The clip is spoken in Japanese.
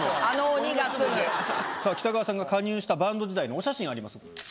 さぁ北川さんが加入したバンド時代のお写真あります。